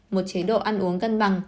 một chế độ ăn uống cân bằng